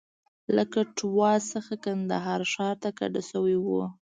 له کټواز څخه کندهار ښار ته کډه شوی و.